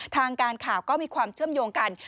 ทางการข่าวก็มีความเชื่อมโยงกัน